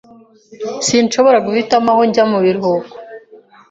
Sinshobora guhitamo aho njya mubiruhuko.